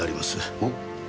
おっ。